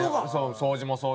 掃除もそう。